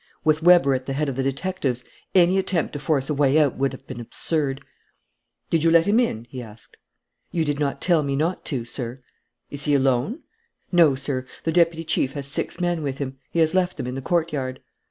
With Weber at the head of the detectives, any attempt to force a way out would have been absurd. "Did you let him in?" he asked. "You did not tell me not to, sir." "Is he alone?" "No, sir, the deputy chief has six men with him. He has left them in the courtyard."